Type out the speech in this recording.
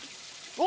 お！